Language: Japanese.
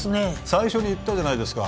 最初に言ったじゃないですか